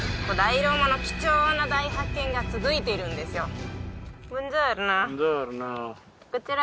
古代ローマの貴重な大発見が続いているんですよ